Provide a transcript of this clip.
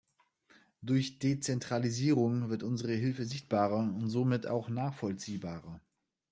Durch Dezentralisierung wird unsere Hilfe sichtbarer und somit auch nachvollziehbarer.